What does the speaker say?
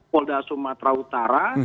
polda sumatera utara